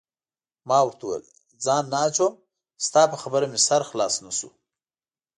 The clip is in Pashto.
ما ورته وویل: ځان نه اچوم، ستا په خبره مې سر خلاص نه شو.